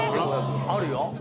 あるよ。